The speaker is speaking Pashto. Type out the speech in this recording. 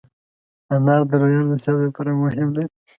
انار د لویانو د صحت لپاره مهم دی.